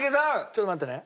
ちょっと待ってね。